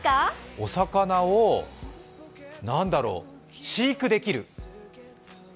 お魚をなんだろう、飼育できる。